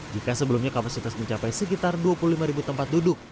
jika sebelumnya kapasitas mencapai sekitar dua puluh lima ribu tempat duduk